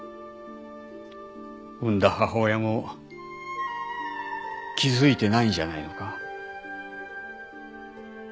産んだ母親も気づいてないんじゃないのか？